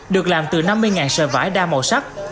được làm từ năm mươi sợi vải đa màu sắc